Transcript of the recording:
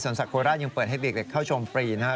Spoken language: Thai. สวนสัตว์โคลอาร์ยังเปิดให้เด็กเข้าชมฟรีนะฮะ